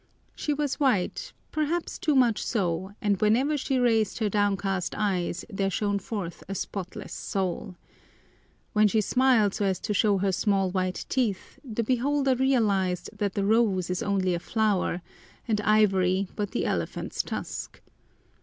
She was white, perhaps too much so, and whenever she raised her downcast eyes there shone forth a spotless soul. When she smiled so as to show her small white teeth the beholder realized that the rose is only a flower and ivory but the elephant's tusk.